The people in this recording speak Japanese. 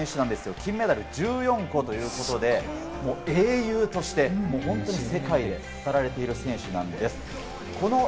金メダル１４個ということで英雄として世界で語られている選手です。